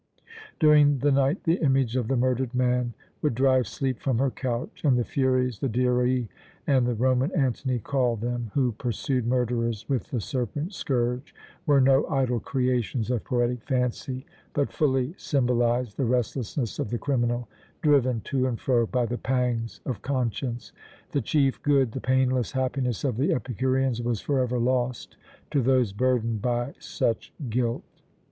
During the night the image of the murdered man would drive sleep from her couch, and the Furies, the Diræ, as the Roman Antony called them, who pursue murderers with the serpent scourge, were no idle creations of poetic fancy, but fully symbolized the restlessness of the criminal, driven to and fro by the pangs of conscience. The chief good, the painless happiness of the Epicureans, was forever lost to those burdened by such guilt.